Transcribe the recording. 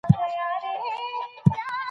کلتوري عواملو خپل ارزښت ثابت کړی دی.